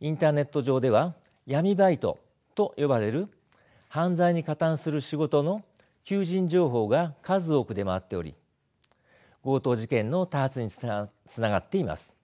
インターネット上では闇バイトと呼ばれる犯罪に加担する仕事の求人情報が数多く出回っており強盗事件の多発につながっています。